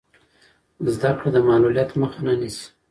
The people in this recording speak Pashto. زده کړه د معلولیت مخه نه نیسي.